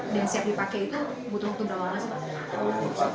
dan siap dipakai itu butuh waktu berapa lama sih pak